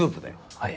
はい。